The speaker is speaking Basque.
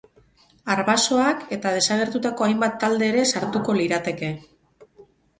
Arbasoak eta desagertutako hainbat talde ere sartuko lirateke.